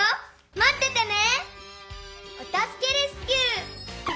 まっててね！